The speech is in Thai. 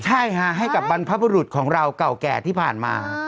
ใช่ค่ะให้กับบรรพบุรุษของเราเก่าแก่ที่ผ่านมา